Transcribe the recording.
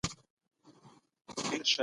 موږ بايد له نړيوالو زده کړه وکړو.